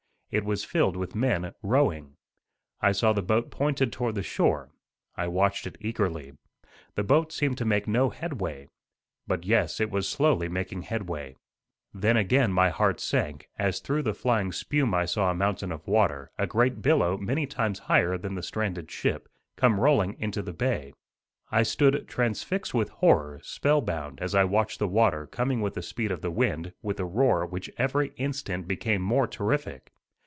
It was filled with men rowing. I saw the boat pointed toward the shore. I watched it eagerly. The boat seemed to make no headway. But, yes, it was slowly making headway. Then again my heart sank, as through the flying spume I saw a mountain of water, a great billow many times higher than the stranded ship, come rolling into the bay. I stood transfixed with horror, spellbound, as I watched the water, coming with the speed of the wind, with a roar which every instant became more terrific.